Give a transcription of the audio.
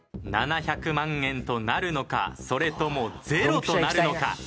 ７００万円となるのかそれともゼロとなるのか。